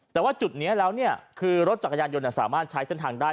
แต่ว่าจุดนี้แล้วเนี่ยคือรถจักรยานยนต์สามารถใช้เส้นทางได้